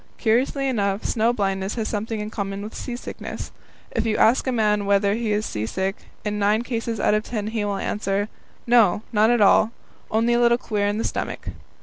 Curiously enough, snow blindness has something in common with seasickness. If you ask a man whether he is seasick, in nine cases out of ten he will answer: "No, not at all only a little queer in the stomach."